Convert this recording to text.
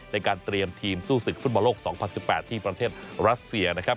ในการเตรียมทีมสู้ศึกฟุตบอลโลก๒๐๑๘ที่ประเทศรัสเซียนะครับ